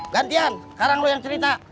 gantian karang lo yang cerita